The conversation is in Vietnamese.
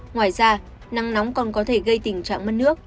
ngoài ra nắng nóng còn có thể gây tình trạng mất nước